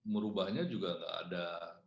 merubahnya juga gak ada